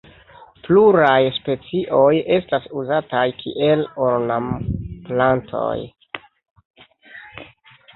Pluraj specioj estas uzataj kiel ornamplantoj.